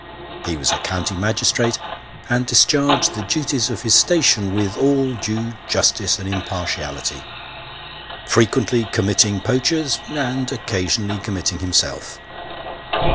He was a county magistrate, and discharged the duties of his station with all due justice and im partiality; frequently committing poachers, and occasionally com mitting himself.